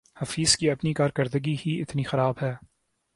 حفیظ کی اپنی کارکردگی ہی اتنی خراب ہے